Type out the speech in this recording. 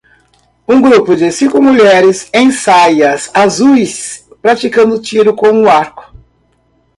Um grupo de cinco mulheres em saias azuis praticando tiro com arco.